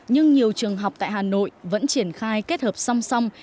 nhưng nhiều trường học tại hà nội vẫn triển khai kết hợp song song